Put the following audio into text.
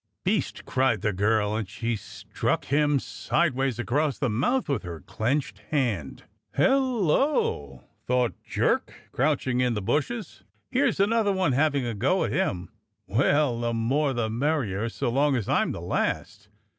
"Beast!" cried the girl, and she struck him sideways across the mouth with her clenched hand. "Hello!" thought Jerk, crouching in the bushes, "here's another one having a *go' at him; well, the more the merrier, so long as I'm the last."